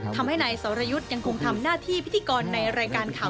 ทำให้นายสรยุทธย์ยังคงทำหน้าที่พิธีกร